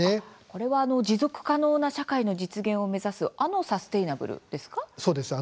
これは持続可能な社会の実現を目指すあのサステイナブルですか？